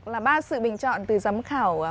là ba sự bình chọn từ giám khảo